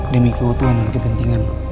demi keutuhan dan kepentingan